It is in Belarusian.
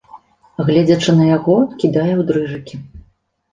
Гледзячы на яго, кідае ў дрыжыкі.